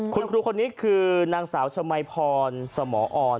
คุณครูคนนี้คือนางสาวชมัยพรสมออน